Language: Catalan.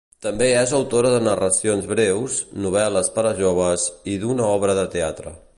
També és autora de narracions breus, novel·les per a joves i d'una obra de teatre.